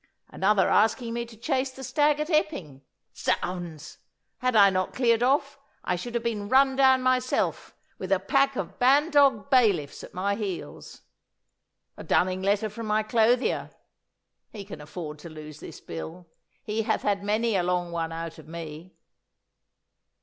Another asking me to chase the stag at Epping. Zounds! had I not cleared off I should have been run down myself, with a pack of bandog bailiffs at my heels. A dunning letter from my clothier. He can afford to lose this bill. He hath had many a long one out of me.